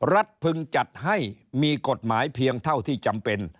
พึงจัดให้มีกฎหมายเพียงเท่าที่จำเป็น